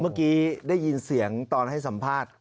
เมื่อกี้ได้ยินเสียงตอนให้สัมภาษณ์